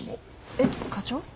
えっ課長？